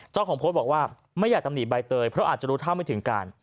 เจ้าของโพสต์บอกว่าไม่อยากตำหนิใบเตยเพราะอาจจะรู้เท่าไม่ถึงการ